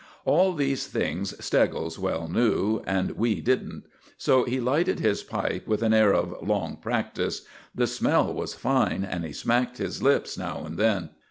All these things Steggles well knew, and we didn't. So he lighted his pipe with an air of long practice. The smell was fine, and he smacked his lips now and then.